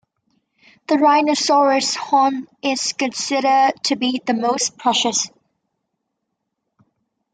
The rhinoceros horn is considered to be the most precious.